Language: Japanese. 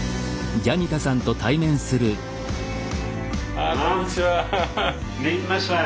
あこんにちは。